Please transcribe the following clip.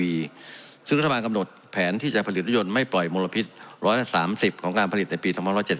ซึ่งรัฐบาลกำหนดแผนที่จะผลิตรถยนต์ไม่ปล่อยมลพิษ๑๓๐ของการผลิตในปี๒๑๗๒